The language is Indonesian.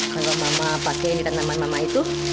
kalau mama pakai ini tanaman mama itu